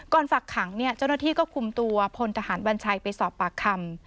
ฝักขังเจ้าหน้าที่ก็คุมตัวพลทหารวัญชัยไปสอบปากคำ